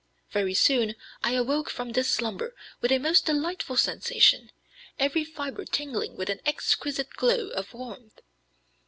Very soon I awoke from this slumber with a most delightful sensation, every fibre tingling with an exquisite glow of warmth.